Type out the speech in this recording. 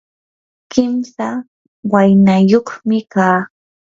kimsa waynayuqmi kaa.